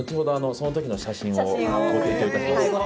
その時の写真をご提供いたします